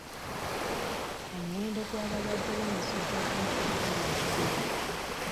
Omuwendo gw'abalwadde b'omusujja gw'ensiri guli waggulu.